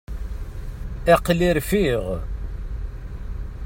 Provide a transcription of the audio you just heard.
Aql-i rfiɣ.